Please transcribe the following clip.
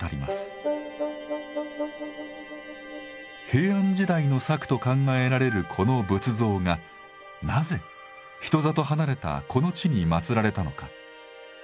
平安時代の作と考えられるこの仏像がなぜ人里離れたこの地に祀られたのか？